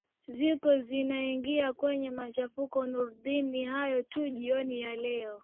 ziko zinaingia kwenye machafuko nurdin ni hayo tu jioni ya leo